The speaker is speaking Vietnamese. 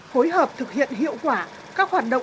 hối hợp thực hiện các khó khăn của người nông dân